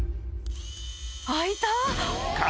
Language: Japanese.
開いた！